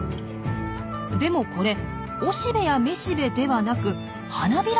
でもこれ雄しべや雌しべではなく花びらでもありません。